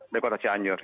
dari kota cianyur